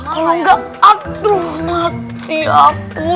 kalau enggak aduh mati aku